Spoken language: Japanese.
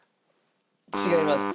違います。